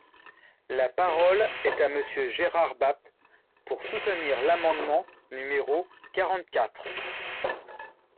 La parole est à Monsieur Gérard Bapt, pour soutenir l’amendement numéro quarante-quatre.